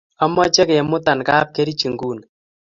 ameche kemutan kapkerich nguni.